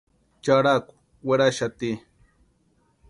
Charhaku werhaxati.